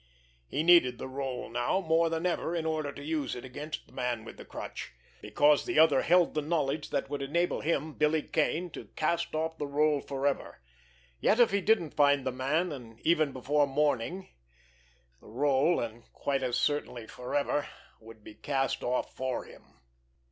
He needed the rôle now more than ever in order to use it against this Man with the Crutch, because the other held the knowledge that would enable him, Billy Kane, to cast off the rôle forever; yet if he didn't find the man, and even before morning, the rôle, and quite as certainly forever, would be cast off for him!